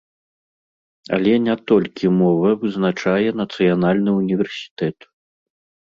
Але не толькі мова вызначае нацыянальны ўніверсітэт.